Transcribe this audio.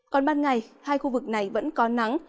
còn ban ngày hai khu vực này vẫn có nắng